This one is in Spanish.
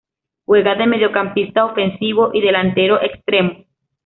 Juega de mediocampista ofensivo y delantero extremo.